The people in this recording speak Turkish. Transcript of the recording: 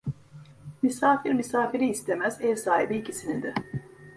Misafir misafiri istemez, ev sahibi ikisini de.